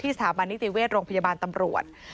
สถาบันนิติเวชโรงพยาบาลตำรวจ